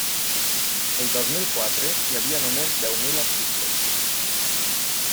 El dos mil quatre hi havia només deu mil articles.